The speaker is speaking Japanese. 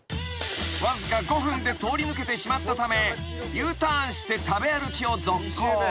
［わずか５分で通り抜けてしまったためＵターンして食べ歩きを続行］